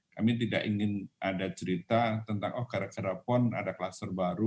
kami tidak ingin ada cerita tentang oh gara gara pon ada kluster baru